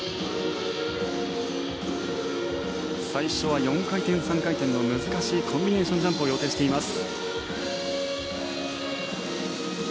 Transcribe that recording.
最初は４回転、３回転の難しいコンビネーションジャンプを予定しています。